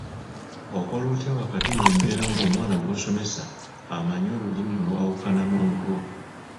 Okola otya wakati mu mbeera ng’omwana gw’osomesa amanyi Olulimi olwawukana n’olulwo?